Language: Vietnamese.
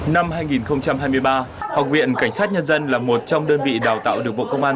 năm hai nghìn hai mươi ba học viện cảnh sát nhân dân là một trong đơn vị đào tạo được bộ công an